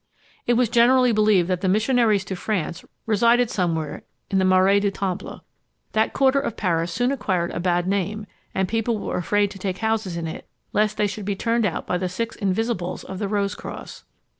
It was generally believed that the missionaries to France resided somewhere in the Marais du Temple. That quarter of Paris soon acquired a bad name, and people were afraid to take houses in it, lest they should be turned out by the six invisibles of the Rose cross.